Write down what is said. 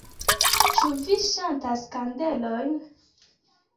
Ĉu vi ŝatas kandelojn?